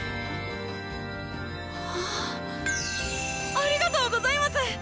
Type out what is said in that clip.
ありがとうございます！